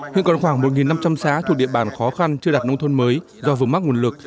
hiện còn khoảng một năm trăm linh xã thuộc địa bàn khó khăn chưa đạt nông thôn mới do vùng mắc nguồn lực